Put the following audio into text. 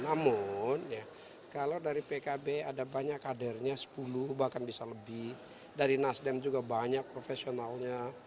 namun kalau dari pkb ada banyak kadernya sepuluh bahkan bisa lebih dari nasdem juga banyak profesionalnya